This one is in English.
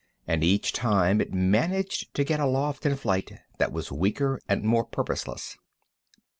And each time it managed to get aloft in flight that was weaker and more purposeless.